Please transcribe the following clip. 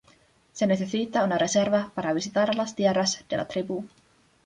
Se necesita una reserva para visitar las tierras de la tribu.